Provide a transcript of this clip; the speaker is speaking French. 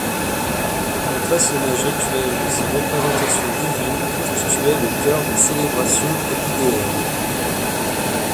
Le façonnage rituel de ces représentations divines constituait le cœur des célébrations abydéennes.